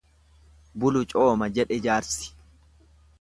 Bulu cooma jedhe jaarsi.